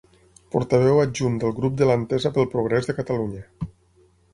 Portaveu adjunt del grup de l'Entesa pel Progrés de Catalunya.